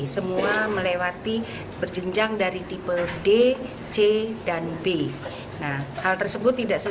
semua melewati berjenjang dari tipe d c dan b